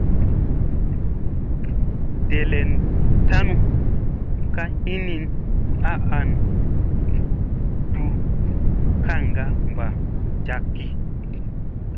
Delen tanu ka hinin a an duu gagaŋ mbaa jakki.